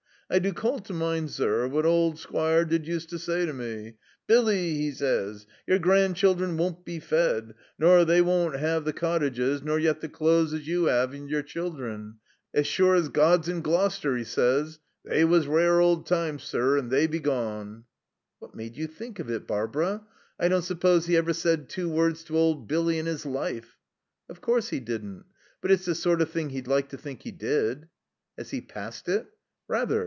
"'I do call to mind, zur, what old Squire did use to zay to me: "Billy," 'e zays, "your grandchildren won't be fed, nor they won't 'ave the cottages, nor yet the clothes as you 'ave and your children. As zure as God's in Gloucester" 'e zays. They was rare old times, zur, and they be gawn.'" "What made you think of it, Barbara? I don't suppose he ever said two words to old Billy in his life." "Of course he didn't. 'But it's the sort of thing he'd like to think he did." "Has he passed it?" "Rather.